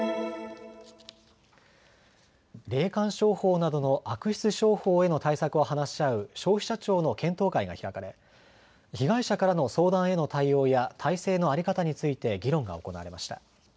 霊感商法などの悪質商法への対策を話し合う消費者庁の検討会が開かれ被害者からの相談への対応や体制の在り方について議論が行われました。